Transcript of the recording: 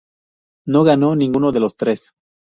No "ganó" ninguno de los tres.